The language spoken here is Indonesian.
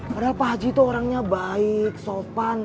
padahal pak haji itu orangnya baik sopan